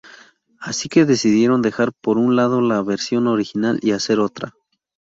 Así que decidieron dejar por un lado la versión original y hacer otra.